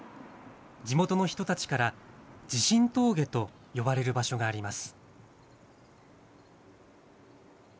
地元の人たちから、地震峠と呼ばれる場所があります。